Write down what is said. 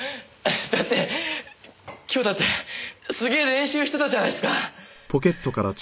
だって今日だってすげえ練習してたじゃないっすか。